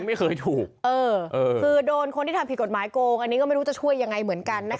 ไม่เคยถูกเออคือโดนคนที่ทำผิดกฎหมายโกงอันนี้ก็ไม่รู้จะช่วยยังไงเหมือนกันนะคะ